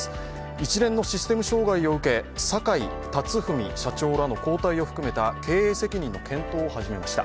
一連のシステム障害を受け、坂井辰史社長らの交代を含めた経営責任の検討を始めました。